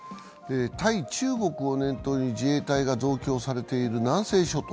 対中国を念頭に自衛隊が増強されている南西諸島。